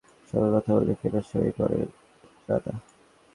ঝামেলা বাধানো কাজটি গ্যাটিংয়ের সঙ্গে কথা বলে ফেরার সময়ই করেন রানা।